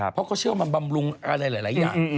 เพราะเขาเชื่อว่ามันบำรุงอะไรหลายอย่าง